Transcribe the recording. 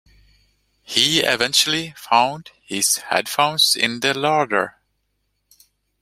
He eventually found his headphones in the larder.